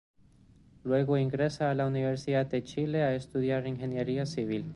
Luego ingresa a la Universidad de Chile a estudiar ingeniería civil.